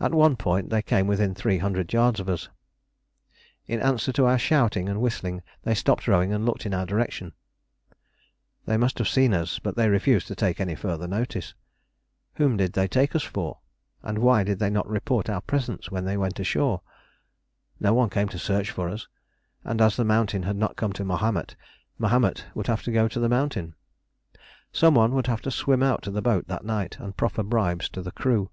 At one point they came within three hundred yards of us. In answer to our shouting and whistling, they stopped rowing and looked in our direction. They must have seen us, but they refused to take any further notice. Whom did they take us for? And why did they not report our presence when they went ashore? No one came to search for us; and as the mountain had not come to Mahomet, Mahomet would have to go to the mountain. Some one would have to swim out to the boat that night, and proffer bribes to the crew.